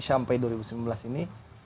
sampai dua ribu sembilan belas ini